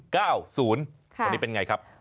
ตอนนี้เป็นไงครับ